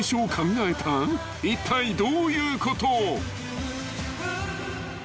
［いったいどういうこと？］